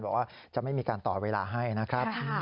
บอกว่าจะไม่มีการต่อเวลาให้นะครับ